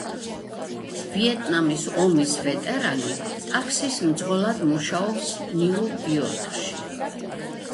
ვიეტნამის ომის ვეტერანი ტაქსის მძღოლად მუშაობს ნიუ-იორკში.